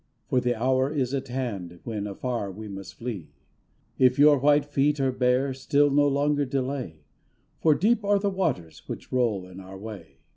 For the hour is at hand When afar we must flee. If your white feet are bare Still no longer delay; For deep are the waters Which roll in our way.